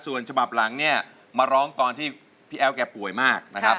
ส่วนฉบับหลังเนี่ยมาร้องตอนที่พี่แอ๊วแกป่วยมากนะครับ